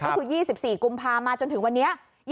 ก็คือ๒๔กุมภามาจนถึงวันนี้